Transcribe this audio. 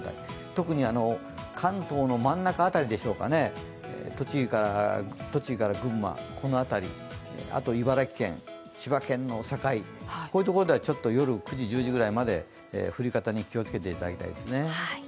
特に関東の真ん中辺りでしょうかね、栃木から群馬、この辺り、千葉県の境では夜９時、１０時ぐらいまで降り方に気をつけていただきたいですね。